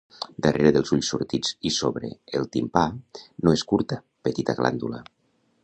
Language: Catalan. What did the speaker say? Darrere dels ulls sortits i sobre el timpà, no és curta, petita glàndula.